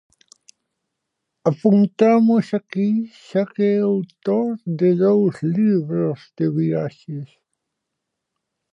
Apuntamos aquí xa que é autor de dous libros de viaxes.